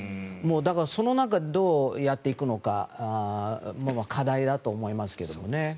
だからその中でどうやって行くのかは課題だと思いますけどもね。